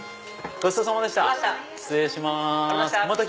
ごちそうさまでした。